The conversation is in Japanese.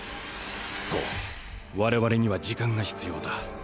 そう我々には時間が必要だ。